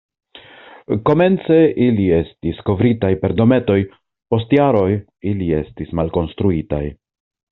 Komence ili estis kovritaj per dometoj, post jaroj ili estis malkonstruitaj.